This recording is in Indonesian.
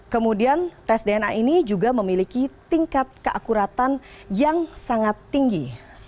kemudian tes dna ini juga memiliki tingkat keakuratan yang sangat tinggi